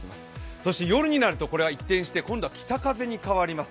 そして夜になると一転して北風に変わります。